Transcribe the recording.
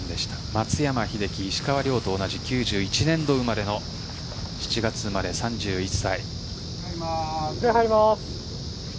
松山英樹、石川遼と同じ９１年度生まれの７月生まれ、３１歳。